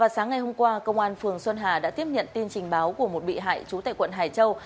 sáng ngày hôm qua công an phường xuân hà đã tiếp nhận tin trình báo của một bị hại trú tại quận hải châu